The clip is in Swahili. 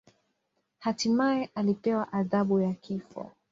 Hatimaye alipewa adhabu ya kifo.